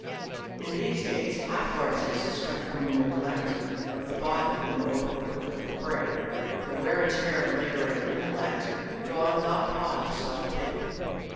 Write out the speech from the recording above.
In these days half of our diseases come from the neglect of the body in the overwork of the brain. The wear and tear of labour and intellect go on without pause or self pity.